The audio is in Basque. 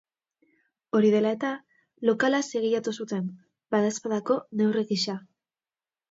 Hori dela eta, lokala zigilatu zuten, badaezpadako neurri gisa.